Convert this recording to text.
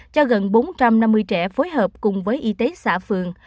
cho gần bốn trăm năm mươi trẻ phối hợp cùng với y tế xã phường